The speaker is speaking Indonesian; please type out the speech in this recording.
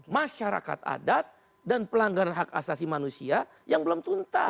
masyarakat adat dan pelanggaran hak asasi manusia yang belum tuntas